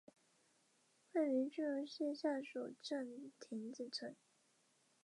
一小团火烧着了一个被封蜡封上的信封。